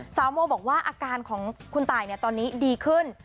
โมบอกว่าอาการของคุณตายตอนนี้ดีขึ้น